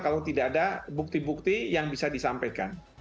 kalau tidak ada bukti bukti yang bisa disampaikan